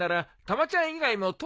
たまちゃん以外？